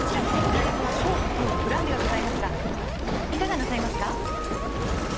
サイズはショートとグランデがございますがいかがなさいますか？